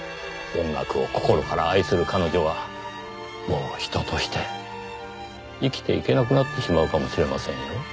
音楽を心から愛する彼女はもう人として生きていけなくなってしまうかもしれませんよ。